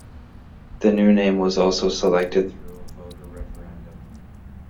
The new name was also selected through a voter referendum.